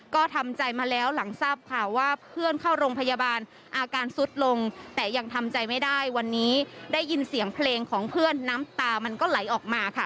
ก็ทำใจมาแล้วหลังทราบข่าวว่าเพื่อนเข้าโรงพยาบาลอาการสุดลงแต่ยังทำใจไม่ได้วันนี้ได้ยินเสียงเพลงของเพื่อนน้ำตามันก็ไหลออกมาค่ะ